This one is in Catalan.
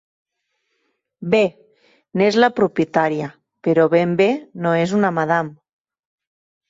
Bé, n'és la propietària, però ben bé no és una madam.